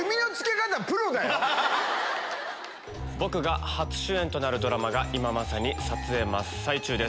僕が初主演となるドラマが今まさに撮影真っ最中です。